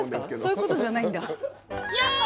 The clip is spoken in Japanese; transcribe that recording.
そういうことじゃないんだ。ヤッホー！